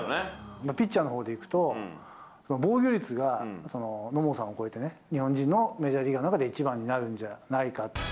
ピッチャーのほうでいくと、防御率が野茂さんを超えて、日本人のメジャーリーガーの中で一番になるんじゃないか。